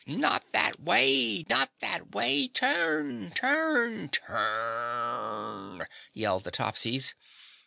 "Not that way! Not that way. Turn! Turn! Turn!" yelled the Topsies.